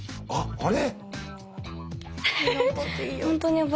あれ？